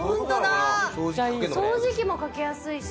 掃除機もかけやすいし。